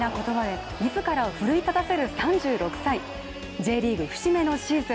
Ｊリーグ節目のシーズン。